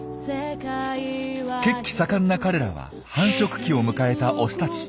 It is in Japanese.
血気盛んな彼らは繁殖期を迎えたオスたち。